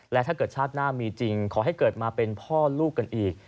และถ้าเกิดชาติหน้ามีจริงขอให้เกิดมาเป็นพ่อลูกกันอีก